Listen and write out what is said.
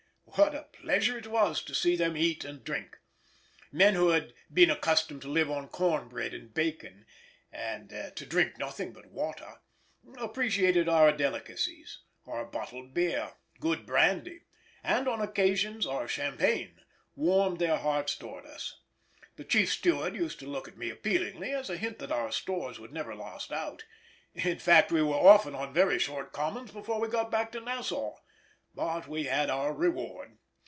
What a pleasure it was to see them eat and drink! Men who had been accustomed to live on corn bread and bacon, and to drink nothing but water, appreciated our delicacies; our bottled beer, good brandy, and, on great occasions, our champagne, warmed their hearts towards us. The chief steward used to look at me appealingly, as a hint that our stores would never last out; in fact we were often on very short commons before we got back to Nassau. But we had our reward.